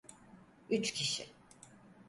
Üç kişi.